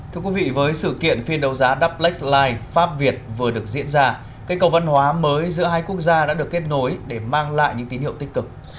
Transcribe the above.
thưa quý vị với sự kiện phiên đấu giá do black line pháp việt vừa được diễn ra cây cầu văn hóa mới giữa hai quốc gia đã được kết nối để mang lại những tín hiệu tích cực